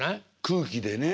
空気でね。